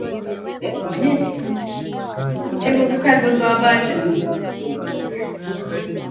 wanashtakiwa kupanga njama ya kuwauzia waasi hao bastola zinazojifwatua zenyewe